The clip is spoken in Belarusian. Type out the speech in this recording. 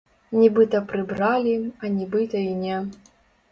Нібыта прыбралі, а нібыта і не.